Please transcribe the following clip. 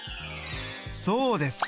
そうです